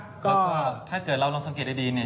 แล้วก็ถ้าเกิดเราลองสังเกตดีเนี่ย